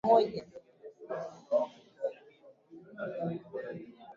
Timu iliyoshinda hupewa alama tatu huku timu zilizotoka sare hupewa alama moja kila moja